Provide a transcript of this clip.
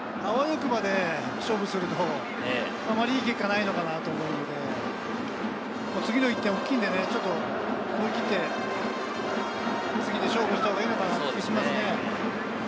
あわよくばで勝負すると、あまりいい結果がないのかなと思うので、次の１点が大きいんでね、思い切って次で勝負したほうがいいのかなという気がしますね。